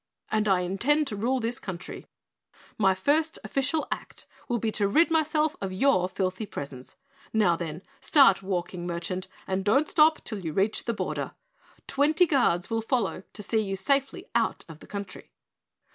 And I intend to rule this country. My first official act will be to rid myself of your filthy presence. Now, then, start walking, merchant, and don't stop till you reach the border. Twenty guards will follow to see you safely out of the country."